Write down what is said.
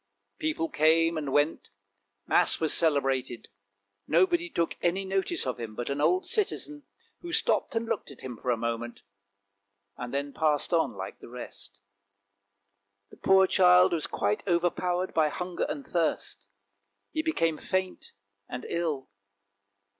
People came and went, mass was celebrated, nobody took any notice of him but an old citizen, who stopped and looked at him for a moment, and then passed on like the rest. The poor child was quite overpowered by hunger and thirst; he became faint and ill.